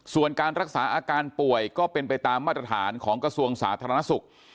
ส่วนการรักษาอาการป่วยก็เป็นไปตามมาตรฐานของกระทรวงสาธารณสุข